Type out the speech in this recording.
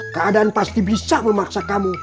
keadaan pasti bisa memaksa kamu